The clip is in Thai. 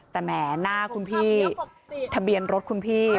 แต่แหมหน้าคุณพี่ทะเบียนรถคุณพี่